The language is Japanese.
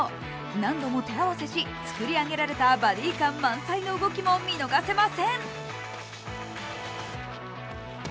何度も手合わせし作り上げられたバディ感満載の動きも見逃せません。